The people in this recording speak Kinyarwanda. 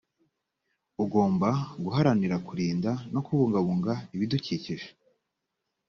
ugomba guharanira kurinda no kubungabunga ibidukikije